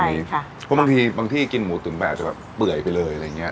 เพราะบางทีบางที่กินหมูตุ๋นไปอาจจะแบบเปื่อยไปเลยอะไรอย่างนี้